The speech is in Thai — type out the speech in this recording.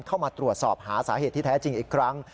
เข้ามาตรวจสอบหาสาเหตุที่แท้จริงอีกครั้ง